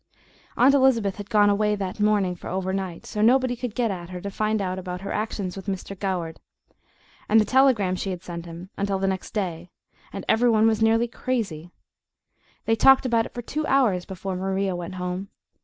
Aunt Elizabeth had gone away that morning for overnight, so nobody could get at her to find out about her actions with Mr. Goward, and the telegram she had sent to him, until the next day, and every one was nearly crazy. They talked about it for two hours before Maria went home.